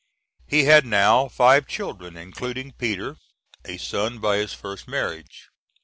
He had now five children, including Peter, a son by his first marriage.